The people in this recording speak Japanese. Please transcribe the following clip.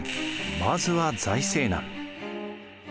まずは財政難。